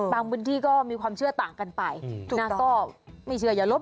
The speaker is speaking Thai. บางบุญที่ก็มีความเชื่อต่างกันไป